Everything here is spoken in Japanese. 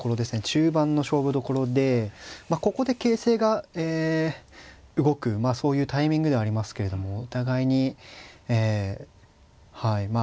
中盤の勝負どころでここで形勢がえ動くそういうタイミングではありますけれどもお互いにえはいまあ